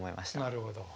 なるほど。